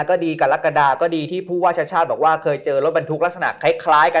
การรักษณ์ก็ดีที่ผู้ว่าชาวเคยเจอรถบรรทุกลักษณะคล้ายกัน